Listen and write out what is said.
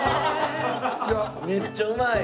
めっちゃうまい！